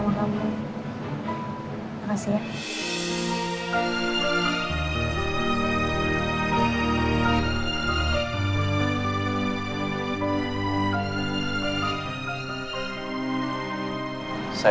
ada satu satu yang bisa bayangin saya